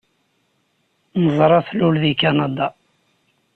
Neẓra tlul deg Kanada.